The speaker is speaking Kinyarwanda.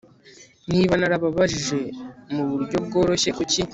niba narababajije muburyo bworoshye, kuki